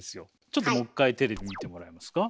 ちょっともう一回テレビ見てもらえますか。